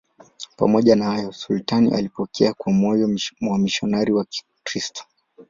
Pamoja na hayo, sultani alipokea kwa moyo wamisionari Wakristo.